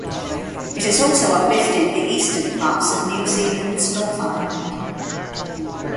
It has also uplifted the eastern parts of New Zealand's North Island.